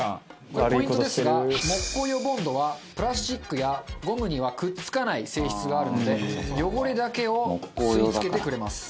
これポイントですが木工用ボンドはプラスチックやゴムにはくっつかない性質があるので汚れだけを吸い付けてくれます。